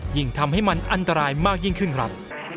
ยิ่งทำให้มันอันตรายมากยิ่งขึ้นครับ